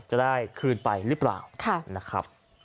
จะได้คืนไปหรือเปล่า